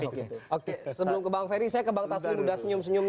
sebelum ke bang ferry saya ke bang tasli mudah senyum senyum